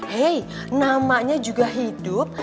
hey namanya juga hidup